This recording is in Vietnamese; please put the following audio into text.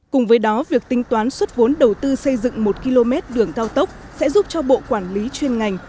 cùng với đó việc tính toán xuất vốn đầu tư xây dựng một km đường cao tốc sẽ giúp cho bộ quản lý chuyên ngành